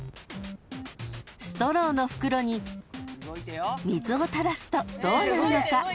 ［ストローの袋に水を垂らすとどうなるのか］